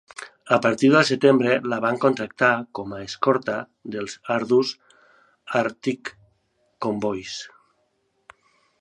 A partir de setembre la van contractar com a escorta dels ardus Arctic Convoys.